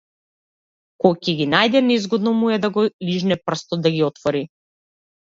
Ко ќе ги најде, незгодно му е да го лижне прстот да ги отвори.